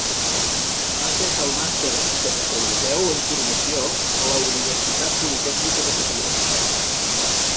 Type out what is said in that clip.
Ha fet el màster Expert europeu en formació a la Universitat Politècnica de Catalunya.